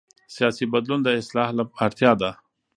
سیاسي بدلون د اصلاح اړتیا ده